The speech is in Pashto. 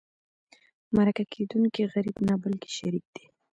مرکه کېدونکی غریب نه بلکې شریك دی.